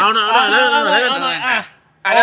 เอาหน่อย